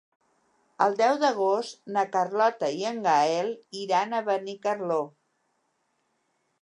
El deu d'agost na Carlota i en Gaël iran a Benicarló.